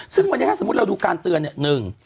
ซึ่งสมมุติเราดูการเตือนเนี่ย